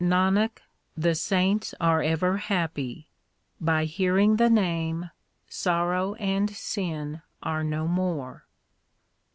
Nanak, the saints are ever happy. By hearing the Name sorrow and sin are no more.